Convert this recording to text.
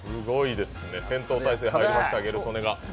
戦闘態勢入りました、ギャル曽根が。